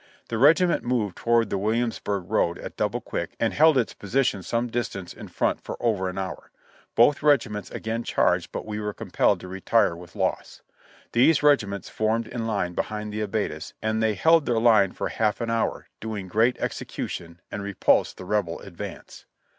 The regiment moved toward the Williamsburg road at double quick and held its posi tion some distance in front for over an hour. Both regiments again charged but were compelled to retire with loss. These regiments formed in line behind the abattis and they held then line for a half an hour, doing great execution, and repulsed the Rebel advance."